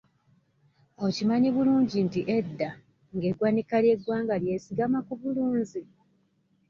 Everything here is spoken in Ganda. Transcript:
Okimanyi bulungi nti edda nga eggwanika ly'eggwanga lyesigama ku bulunzi?